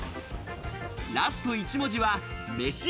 ラスト一文字は「飯」。